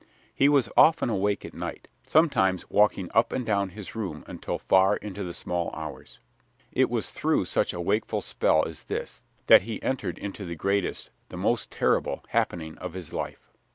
He was often awake at night, sometimes walking up and down his room until far into the small hours. It was through such a wakeful spell as this that he entered into the greatest, the most terrible, happening of his life.